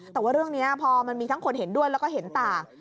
แต่ว่าเรื่องนี้พอมันมีทั้งคนเห็นด้วยแล้วก็เห็นต่าง